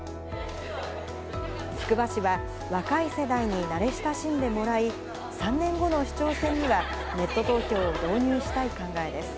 つくば市は、若い世代に慣れ親しんでもらい、３年後の市長選には、ネット投票を導入したい考えです。